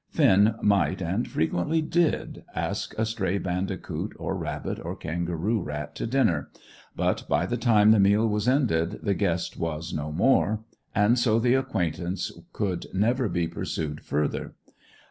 Finn might, and frequently did, ask a stray bandicoot, or rabbit, or kangaroo rat to dinner; but by the time the meal was ended, the guest was no more; and so the acquaintance could never be pursued further.